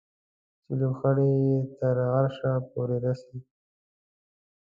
چې لوخړې یې تر عرشه پورې رسي